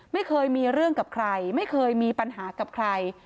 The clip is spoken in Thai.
ไม่เคยมีเรื่องกับใครไม่เคยมีปัญหากับใคร